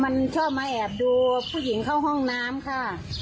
มันชอบมาแอบดูผู้หญิงเข้าห้องน้ำค่ะ